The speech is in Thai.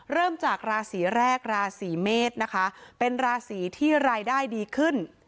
เริ่มจากราศีแรกราศีเมษนะคะเป็นราศีที่รายได้ดีขึ้น